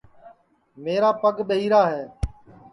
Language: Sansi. میرا پگ ٻہیرا ہے